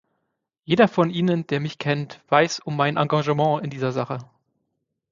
Jeder von Ihnen, der mich kennt, weiß um mein Engagement in dieser Sache.